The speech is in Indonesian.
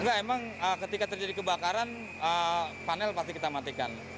enggak emang ketika terjadi kebakaran panel pasti kita matikan